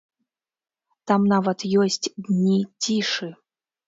Там нават ёсць дні цішы.